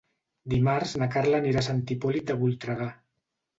Dimarts na Carla anirà a Sant Hipòlit de Voltregà.